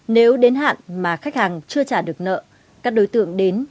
nếu đến hạn mà khách hàng chưa trả được nợ các đối tượng đến